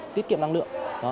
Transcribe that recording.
tiết kiệm năng lượng